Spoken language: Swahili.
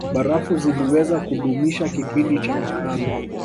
Barafu ziliweza kudumisha kipindi cha ukame